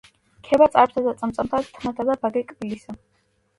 ქება წარბთა და წამწამთა, თმათა და ბაგე-კბილისა